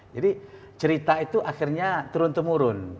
jadi cerita itu akhirnya turun temurun